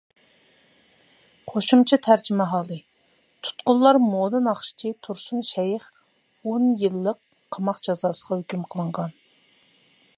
قوشۇمچە تەرجىمىھالى تۇتقۇنلار مودا ناخشىچى تۇرسۇن شەيخ ئون يىللىق قاماق جازاسىغا ھۆكۈم قىلىنغان.